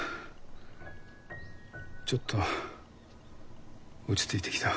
ちょっと落ち着いてきたわ。